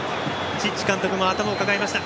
チッチ監督も頭を抱えました。